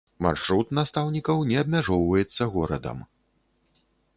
Маршрут настаўнікаў не абмяжоўваецца горадам.